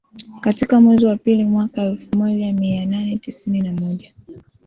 Katika mwezi wa pili mwaka elfu moja mia nane tisini na moja